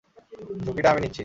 ঝুঁকিটা আমি নিচ্ছি।